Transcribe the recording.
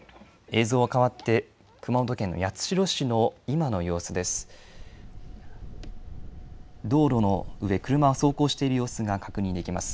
映像は変わって、熊本県の八代市の今の様子です。